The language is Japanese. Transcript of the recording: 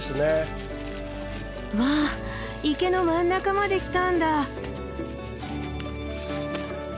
うわ池の真ん中まで来たんだ！